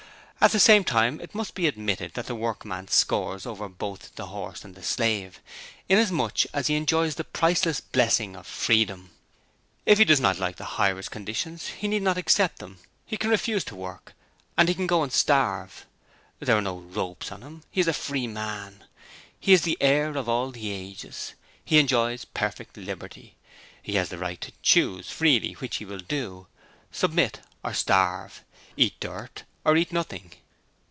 At the same time it must be admitted that the workman scores over both the horse and the slave, inasmuch as he enjoys the priceless blessing of Freedom. If he does not like the hirer's conditions he need not accept them. He can refuse to work, and he can go and starve. There are no ropes on him. He is a Free man. He is the Heir of all the Ages. He enjoys perfect Liberty. He has the right to choose freely which he will do Submit or Starve. Eat dirt or eat nothing.